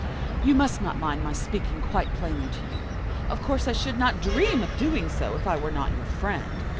You must not mind my speaking quite plainly to you. Of course I should not dream of doing so if I were not your friend.